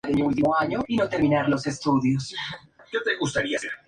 De aquí en adelante no vale la diferencia de gol.